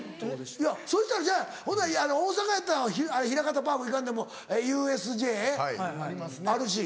そしたらほな大阪やったらひらかたパーク行かんでもＵＳＪあるし。